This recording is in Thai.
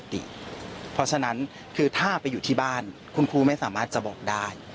ฟังเสียงคุณแม่และก็น้องที่เสียชีวิตค่ะ